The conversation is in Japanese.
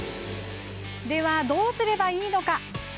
では、どうすればいいのか？